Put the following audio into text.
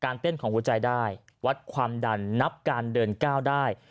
เต้นของหัวใจได้วัดความดันนับการเดินก้าวได้